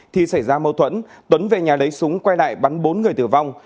thì xảy ra mâu thuẫn tuấn về nhà lấy súng quay lại bắn bốn người tử vong